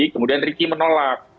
kemudian ricky menolak